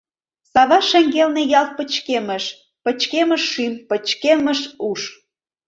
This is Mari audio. Савар шеҥгелне ялт пычкемыш — Пычкемыш шӱм, пычкемыш уш.